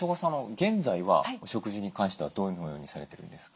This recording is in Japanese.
現在はお食事に関してはどのようにされてるんですか？